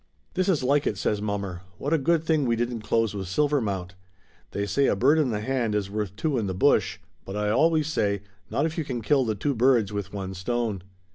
"This is like it!" says mommer. "What a good thing we didn't close with Silvermount. They say a bird in the hand is worth two in the bush, but I always say, not if you can kill the two birds with one stone!'"